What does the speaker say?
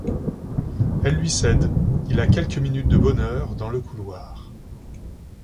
Elle lui cède, il a quelques minutes de bonheur dans le couloir.